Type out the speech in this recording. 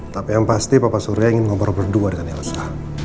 tapi yang pasti bapak surya ingin ngobrol berdua dengan elsa